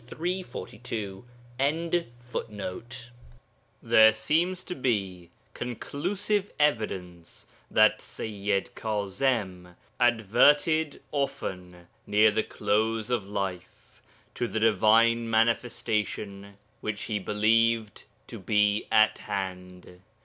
342.] There seems to be conclusive evidence that Seyyid Kaẓim adverted often near the close of life to the divine Manifestation which he believed to be at hand.